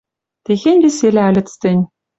Техень веселӓ ыльыц тӹнь.